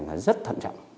nó rất thận trọng